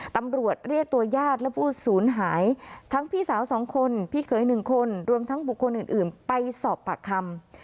ตำรวจเรียกตัวญาติและผู้สูญหายทั้งพี่สาว๒คนพี่เขย๑คนรวมทั้งบุคคลอื่นไปสอบปากคำ